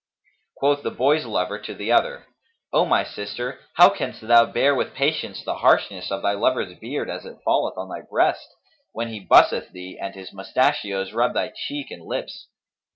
Quoth the boy's lover to the other, 'O my sister, how canst thou bear with patience the harshness of thy lover's beard as it falleth on thy breast, when he busseth thee and his mustachios rub thy cheek and lips?'